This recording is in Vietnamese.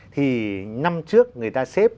thì năm trước người ta xếp